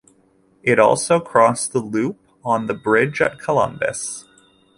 It also crossed the Loup on the bridge at Columbus.